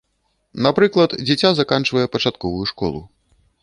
Напрыклад, дзіця заканчвае пачатковую школу.